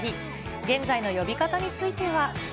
現在の呼び方については。